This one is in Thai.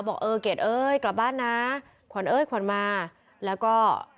บอกเออเกดเอ้ยกลับบ้านนะขวัญเอ้ยขวัญมาแล้วก็